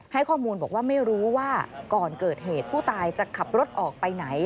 ให้ข้อมูลบอกว่าไม่รู้ว่าก่อนเกิดเหตุผู้ตายจะขับรถออกไปไหน